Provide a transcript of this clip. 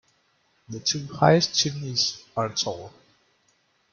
The two highest chimneys are tall.